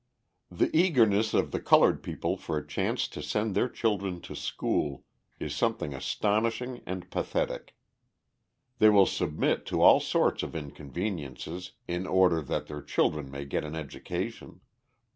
The eagerness of the coloured people for a chance to send their children to school is something astonishing and pathetic. They will submit to all sorts of inconveniences in order that their children may get an education.